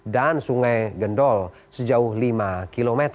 dan sungai gendol sejauh lima km